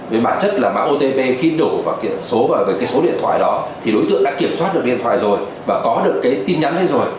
với bản chất là mã otp khi đổ vào cái số điện thoại đó thì đối tượng đã kiểm soát được điện thoại rồi và có được cái tin nhắn ấy rồi